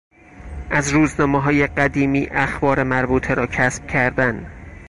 از روزنامههای قدیمی اخبار مربوطه را کسب کردن